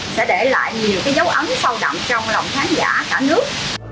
sẽ để lại nhiều dấu ấn sâu đậm trong lòng khán giả cả nước